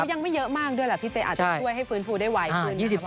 ยังไม่เยอะมากด้วยแหละพี่เจ๊อาจจะช่วยให้ฟื้นฟูได้ไวขึ้น